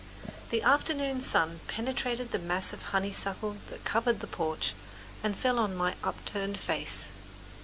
The afternoon sun penetrated the mass of honeysuckle that covered the porch, and fell on my upturned face.